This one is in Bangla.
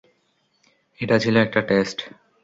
এটা ছিল একটা টেস্ট!